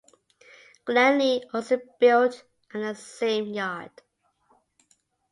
Glenlee also built at the same yard.